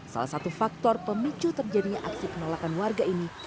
salah satu faktor pemicu terjadinya aksi penolakan warga ini